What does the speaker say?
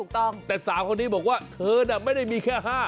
แต่สาวคนนี้บอกว่าเธอน่ะไม่ได้มีแค่๕